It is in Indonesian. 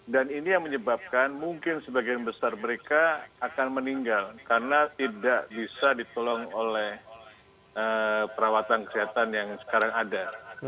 dan ini yang menyebabkan mungkin sebagian besar mereka akan meninggal karena tidak bisa ditolong oleh perawatan kesehatan yang sekarang ada